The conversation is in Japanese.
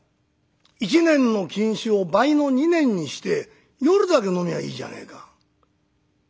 １年の禁酒を倍の２年にして夜だけ飲みゃいいじゃねえか」。